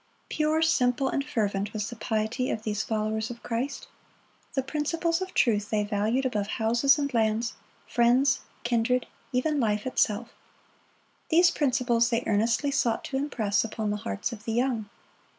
Pure, simple, and fervent was the piety of these followers of Christ. The principles of truth they valued above houses and lands, friends, kindred, even life itself. These principles they earnestly sought to impress upon the hearts of the young.